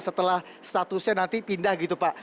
setelah statusnya nanti pindah gitu pak